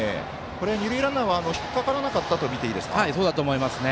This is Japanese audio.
二塁ランナーは引っ掛からなかったとみていいと思いますか。